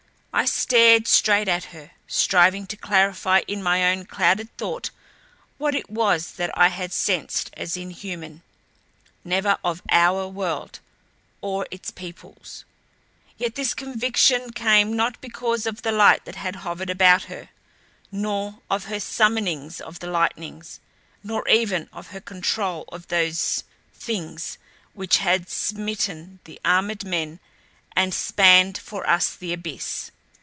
I stared straight at her, striving to clarify in my own clouded thought what it was that I had sensed as inhuman never of OUR world or its peoples. Yet this conviction came not because of the light that had hovered about her, nor of her summonings of the lightnings; nor even of her control of those things which had smitten the armored men and spanned for us the abyss.